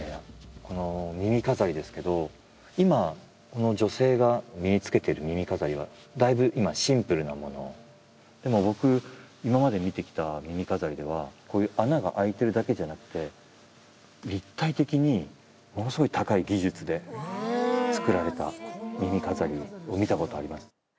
この耳飾りですけど今この女性が身に着けてる耳飾りはだいぶ今シンプルなものでも僕今まで見てきた耳飾りではこういう穴が開いてるだけじゃなくて立体的にものすごい高い技術で作られた耳飾りを見たことあります